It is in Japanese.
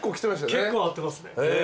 結構会ってますね。